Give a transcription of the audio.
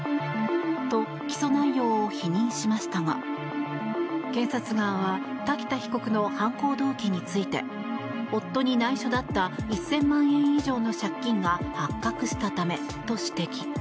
と、起訴内容を否認しましたが検察側は瀧田被告の犯行動機について夫に内緒だった１０００万円以上の借金が発覚したためと指摘。